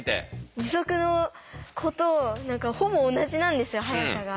義足の子とほぼ同じなんですよ速さが。